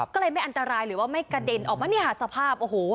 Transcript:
ก็เลยไม่อันตรายหรือว่าไม่กระเด็นออกมาเนี่ยค่ะสภาพโอ้โห